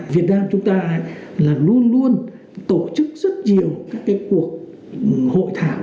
việt nam chúng ta là luôn luôn tổ chức rất nhiều các cái cuộc hội thảo